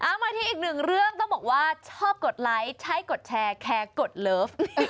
มาที่อีกหนึ่งเรื่องต้องบอกว่าชอบกดไลค์ใช้กดแชร์แคร์กดเลิฟ